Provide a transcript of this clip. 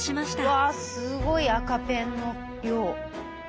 うわすごい赤ペンの量。